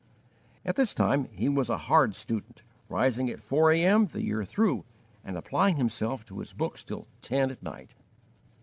At this time he was a hard student, rising at four A.M. the year through, and applying himself to his books till ten at night.